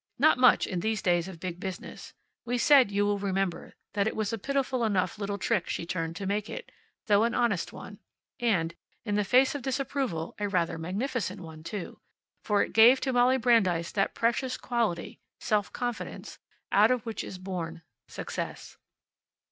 Not much in these days of big business. We said, you will remember, that it was a pitiful enough little trick she turned to make it, though an honest one. And in the face of disapproval a rather magnificent one too. For it gave to Molly Brandeis that precious quality, self confidence, out of which is born success.